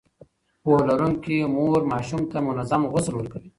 پوهه لرونکې مور ماشوم ته منظم غسل ورکوي.